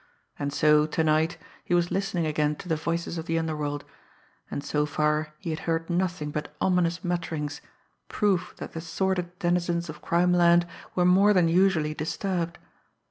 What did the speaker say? And so, to night, he was listening again to the voices of the underworld and so far he had heard nothing but ominous mutterings, proof that the sordid denizens of crimeland were more than usually disturbed.